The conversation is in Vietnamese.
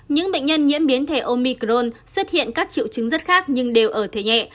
những bệnh nhân nhiễm biến thể omicron xuất hiện các triệu chứng rất khác nhưng đều ở thể nhẹ